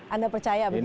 anda percaya begitu ya